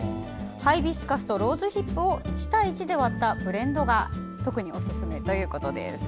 ハイビスカスとローズヒップを１対１で割ったブレンドが特におすすめということです。